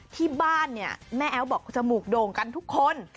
ที่บ้านเนี่ยแม่แอ๊วบอกจมูกโด่งกันทุกคน